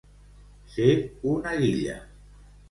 Ser una guilla.